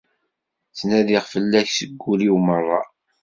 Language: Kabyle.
Ttnadiɣ fell-ak seg wul-iw merra.